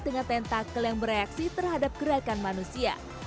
dengan tentakel yang bereaksi terhadap gerakan manusia